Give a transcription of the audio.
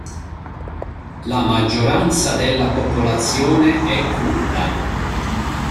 La maggioranza della popolazione è curda.